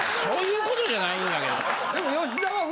そういうことじゃないんだけどな。